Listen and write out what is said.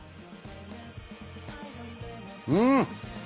うん！